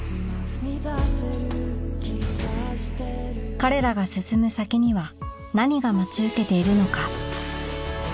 彼らが進む先には何が待ち受けているのか